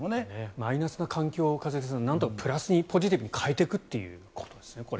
マイナスな環境をなんとかプラスにポジティブに変えていくということですね。